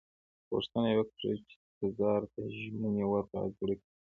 غوښتنه یې وکړه چې تزار ته ژمنې ور په زړه کړي.